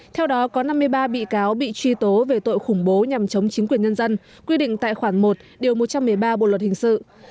theo đó có năm mươi ba bị cáo bị truy tố về tội khủng bố nhằm chống chính quyền nhân dân quy định tại khoản một điều một trăm một mươi ba bộ luật hình sự